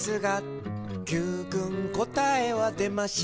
「Ｑくんこたえはでましたか？」